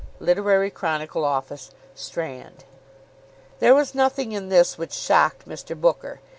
"Literary Chronicle," Office, Strand. There was nothing in this which shocked Mr. Booker.